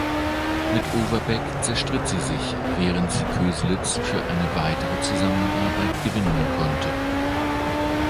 Mit Overbeck zerstritt sie sich, während sie Köselitz für eine weitere Zusammenarbeit gewinnen konnte.